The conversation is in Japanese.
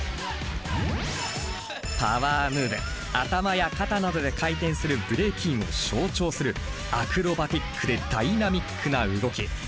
頭や肩などで回転するブレイキンを象徴するアクロバティックでダイナミックな動き。